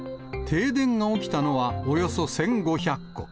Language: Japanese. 停電が起きたのはおよそ１５００戸。